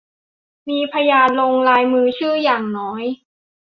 ที่มีพยานลงลายมือชื่ออย่างน้อย